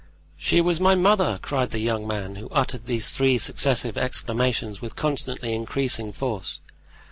"She was my mother!" cried the young man, who uttered these three successive exclamations with constantly increasing force.